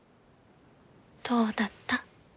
どうだった？